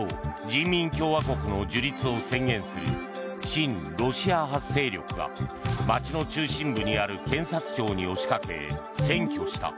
人民共和国の樹立を宣言する親ロシア派勢力が街の中心部にある検察庁に押しかけ占拠した。